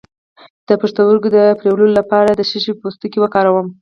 د پښتورګو د مینځلو لپاره د څه شي پوستکی وکاروم؟